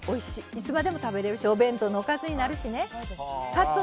いつまでも食べられるしお弁当のおかずになるしね。